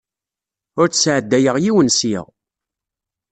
Ur d-sɛeddayeɣ yiwen seg-a.